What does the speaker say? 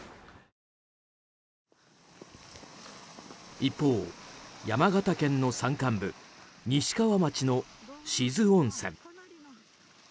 一方、山形県の山間部西川町の志津温泉。